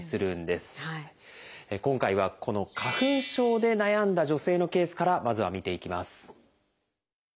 今回はこの花粉症で悩んだ女性のケースからまずは見ていきます。